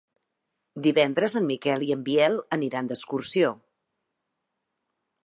Divendres en Miquel i en Biel aniran d'excursió.